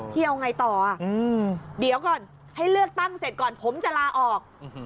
เอาไงต่ออ่ะเดี๋ยวก่อนให้เลือกตั้งเสร็จก่อนผมจะลาออก